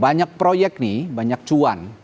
banyak proyek nih banyak cuan